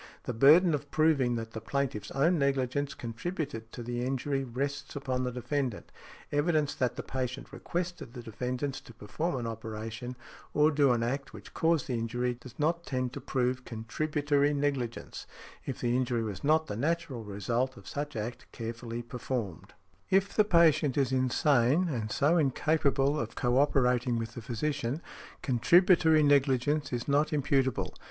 The burden of proving that the plaintiff's own negligence contributed to the injury rests upon the defendant . Evidence that the patient requested the defendant to perform an operation, or do an act, which caused the injury, does not tend to prove contributory negligence, if the injury was not the natural result of such act carefully performed . If the patient is insane, and so incapable of co operating with the physician, contributory negligence is not imputable.